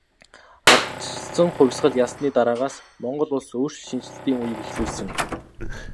Ардчилсан хувьсгал ялсны дараагаас Монгол улс өөрчлөлт шинэчлэлтийн үеийг эхлүүлсэн.